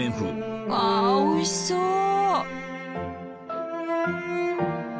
うわおいしそう！